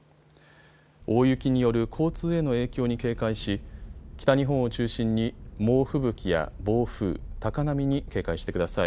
大雪による交通への影響に警戒し北日本を中心に猛吹雪や暴風、高波に警戒してください。